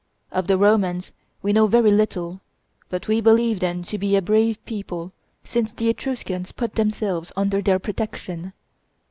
Of the Romans we know very little; but we believe them to be a brave people, since the Etruscans put themselves under their protection.